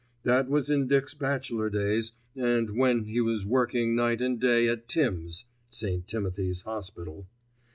That was in Dick's bachelor days and when he was working night and day at "Tims" (St. Timothy's Hospital).